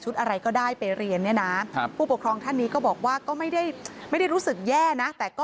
เถอะไม่ได้รู้สึกแย่นะ